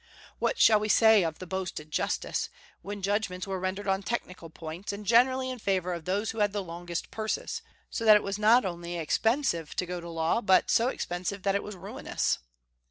What shall we say of the boasted justice, when judgments were rendered on technical points, and generally in favor of those who had the longest purses; so that it was not only expensive to go to law, but so expensive that it was ruinous?